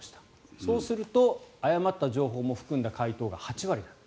そうすると誤った情報も含んだ回答が８割だった。